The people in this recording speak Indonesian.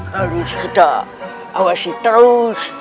harus kita awasi terus